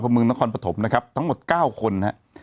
พระมืงนครปฐมนะครับทั้งหมดเก้าคนนะฮะ